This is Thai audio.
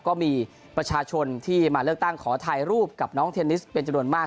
ก็มีประชาชนที่มาเลือกตั้งขอถ่ายรูปกับน้องเทนนิสเป็นจำนวนมาก